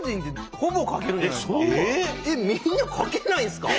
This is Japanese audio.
えっみんなかけないんですか？